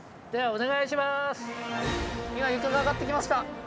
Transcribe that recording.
今床が上がってきました。